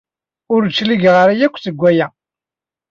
Ur d-cligeɣ ara akk seg waya.